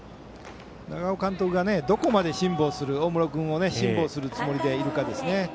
長尾監督がどこまで大室君を辛抱するつもりでいるかですね。